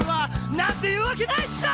何て言うわけないでしょ！